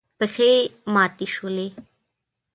پښې ماتې شولې.